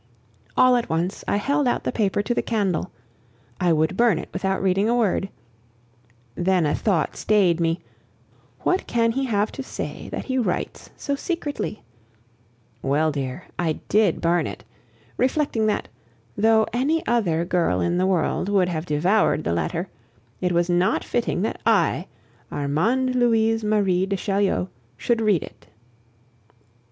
All at once I held out the paper to the candle I would burn it without reading a word. Then a thought stayed me, "What can he have to say that he writes so secretly?" Well, dear, I did burn it, reflecting that, though any other girl in the world would have devoured the letter, it was not fitting that I Armande Louise Marie de Chaulieu should read it.